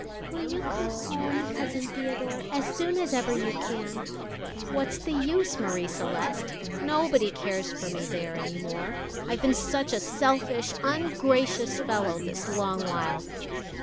"Will you come home, Cousin Theodore, as soon as ever you can?" "What's the use, Marie Celeste? Nobody cares for me there any more, I've been such a selfish, ungracious fellow this long while."